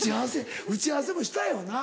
打ち合わせもしたよな。